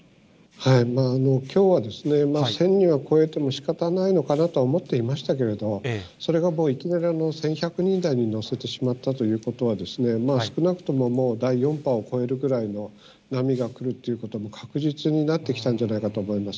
きょうはですね、１０００人を超えてもしかたがないのかなと思っていましたけれども、それがもういきなり１１００人台に乗せてしまったということは、少なくとももう第４波を超えるくらいの波が来るということが確実になってきたんじゃないかと思います。